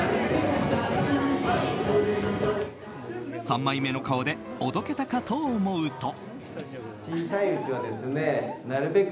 三枚目の顔でおどけたかと思うと。